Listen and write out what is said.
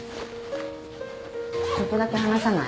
ちょっとだけ話さない？